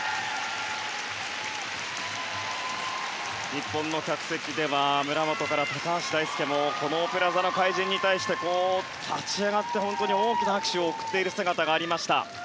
日本の客席では村元哉中、高橋大輔もこの「オペラ座の怪人」に対して立ち上がって大きな拍手を送っている姿がありました。